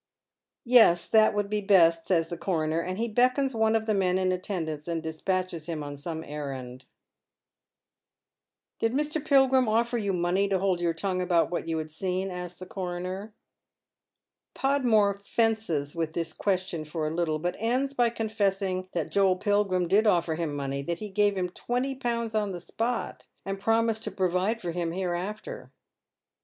"Yes, that would be best," says the coroner, and he beckons one rtf the men in attendance and despatches him on some errand. g74 Ihni Men's Shoes " Did Mr. Pilgrim ofEer you money to hold your tongue about what you had seen?" asks the coroner. Podmore fences with this question for a little, but ends by confessing that Joel Pilgrim did offer him money ; that ho gaya hira twenty pounds on the spot, and promised to provide for hira hereafter.